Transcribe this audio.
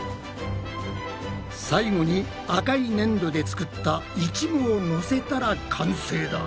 最後に赤いねんどで作ったいちごをのせたら完成だ！